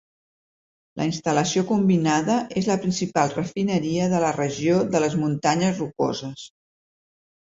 La instal·lació combinada és la principal refineria de la regió de les Muntanyes Rocoses.